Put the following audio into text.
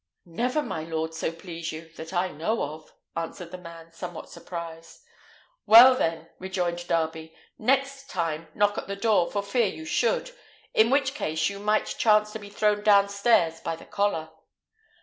"Never, my lord, so please you, that I know of," answered the man, somewhat surprised. "Well, then," rejoined Darby, "next time knock at the door, for fear you should. In which case, you might chance to be thrown down stairs by the collar."